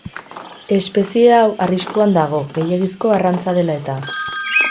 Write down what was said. Espezie hau arriskuan dago, gehiegizko arrantza dela-eta.